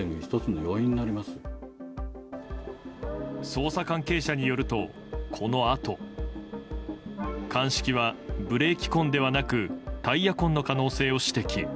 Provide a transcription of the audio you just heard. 捜査関係者によるとこの跡鑑識はブレーキ痕ではなくタイヤ痕である可能性を指摘。